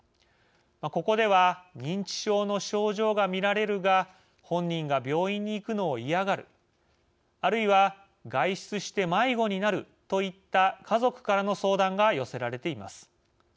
ここでは「認知症の症状が見られるが本人が病院に行くのを嫌がる」あるいは「外出して迷子になる」といった家族からの相談が寄せられています。